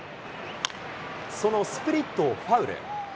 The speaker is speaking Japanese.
そのスプリットをファウル。